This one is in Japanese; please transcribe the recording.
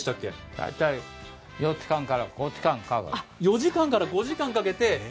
大体４時間から５時間かかる。